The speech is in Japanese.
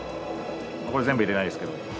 これ全部入れないですけど。